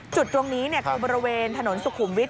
จุดตรงนี้คือบริเวณถนนสุขุมวิทย